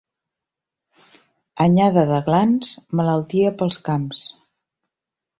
Anyada de glans, malaltia pels camps.